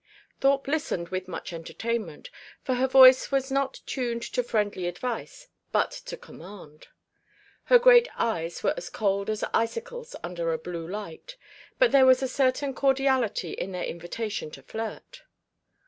Thorpe listened with much entertainment, for her voice was not tuned to friendly advice, but to command. Her great eyes were as cold as icicles under a blue light; but there was a certain cordiality in their invitation to flirt.